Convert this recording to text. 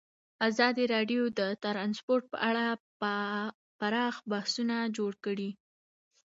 ازادي راډیو د ترانسپورټ په اړه پراخ بحثونه جوړ کړي.